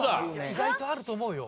意外とあると思うよ。